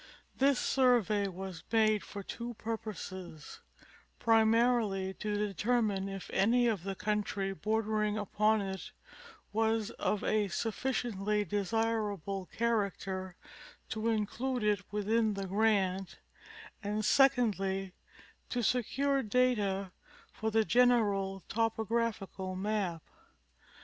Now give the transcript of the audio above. This survey was made for two purposes : primarily, to determine if any of the country bordering upon it was of a sufficiently desirable character to include it within the grant, and secondly, to secure data for the general topographical map.